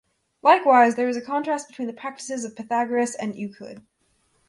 Likewise there is contrast between the practices of Pythagoras and Euclid.